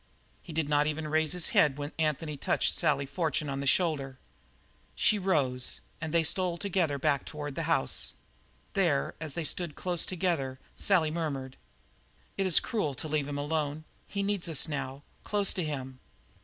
He did not even raise his head when Anthony touched Sally Fortune on the shoulder. She rose, and they stole back together toward the house. There, as they stood close together, Sally murmured: "It is cruel to leave him alone. He needs us now, close to him."